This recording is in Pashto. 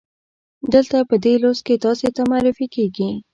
دلته په دې لوست کې تاسې ته معرفي کیږي.